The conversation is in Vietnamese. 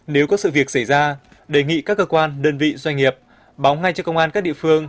nếu có sự việc xảy ra đề nghị các cơ quan đơn vị doanh nghiệp báo ngay cho công an các địa phương